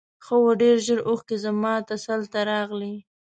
ښه و ډېر ژر اوښکې زما تسل ته راغلې.